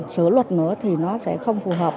sửa luật nữa thì nó sẽ không phù hợp